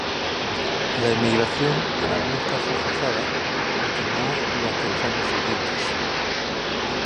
La emigración, en algunos casos forzada, continuó durante los años siguientes.